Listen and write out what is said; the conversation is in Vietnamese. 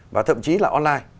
và thậm chí là online